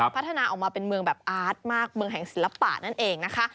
พัฒนาออกมาเป็นเมืองแบบอาร์ตมากเมืองแห่งศิลปะนั่นเองนะคะ